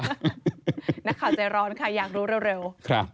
นักข่าวใจร้อนค่ะอยากรู้เร็ว